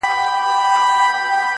نور په داسي ظالمانو زړه ښه نه کړئ.!